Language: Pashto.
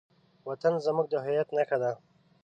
وطن زموږ د هویت نښه ده.